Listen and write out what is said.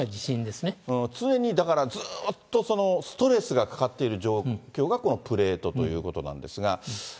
常にだから、ずっとストレスがかかっている状況がこのプレートということなんですが。